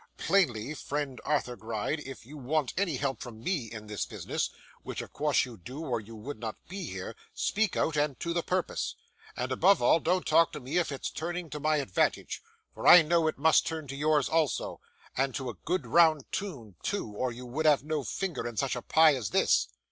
Plainly, friend Arthur Gride, if you want any help from me in this business (which of course you do, or you would not be here), speak out, and to the purpose. And, above all, don't talk to me of its turning to my advantage, for I know it must turn to yours also, and to a good round tune too, or you would have no finger in such a pie as this.